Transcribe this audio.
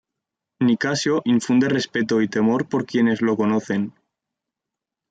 Nicasio infunde respeto y temor por quienes lo conocen.